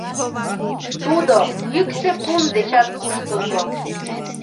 — Тудо йӱксӧ пун дечат куштылго.